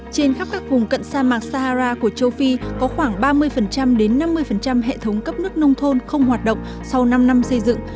trên khắp các vùng cận sa mạc sahara của châu phi có khoảng ba mươi đến năm mươi hệ thống cấp nước nông thôn không hoạt động sau năm năm xây dựng